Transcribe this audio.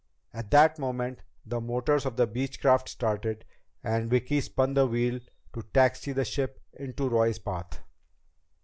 At that moment the motors of the Beechcraft started, and Vicki spun the wheel to taxi the ship into Roy's path.